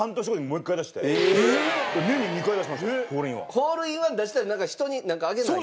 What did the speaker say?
ホールインワン出したら人になんかあげないと。